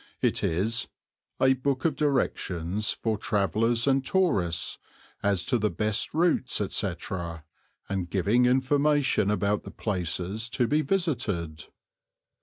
It is "a book of directions for travellers and tourists as to the best routes, etc., and giving information about the places to be visited."